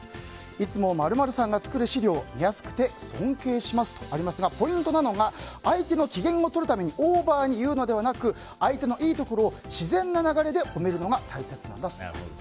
いつも○○さんが作る資料見やすくて尊敬しますとありますがポイントなのが相手の機嫌を取るためにオーバーに言うのではなく相手のいいところを自然な流れで褒めるのが大切なんだそうです。